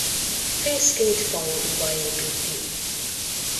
Fészkét faodúba építi.